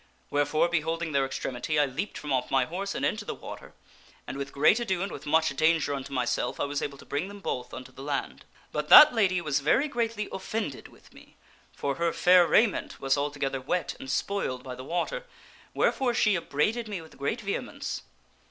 Wherefore, beholding their extremity, I leaped from off my horse and into the water, and with great ado and with much danger unto myself, I was able to bring them both unto the land. " But that lady was very greatly offended with me, for her fair raiment was altogether wet and spoiled by the water, wherefore she upbraided me with great vehemence.